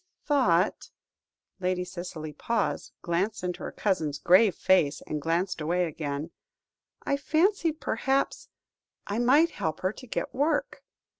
"I thought" Lady Cicely paused, glanced into her cousin's grave face, and glanced away again "I fancied, perhaps, I might help her to get work.